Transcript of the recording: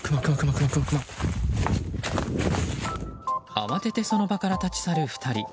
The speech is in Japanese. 慌ててその場から立ち去る２人。